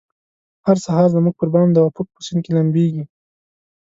هر سهار زموږ پربام د افق په سیند کې لمبیږې